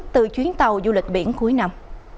từ chuyến tàu du lịch biển cuối năm